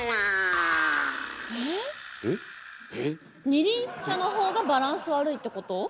二輪車のほうがバランス悪いってこと？